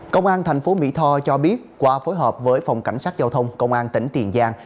công an thành phố mỹ tho cho biết qua phối hợp với phòng cảnh sát giao thông công an tỉnh tiền giang